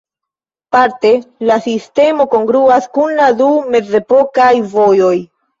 Parte la sistemo kongruas kun la du mezepokaj vojoj.